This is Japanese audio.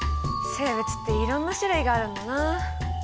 生物っていろんな種類があるんだな。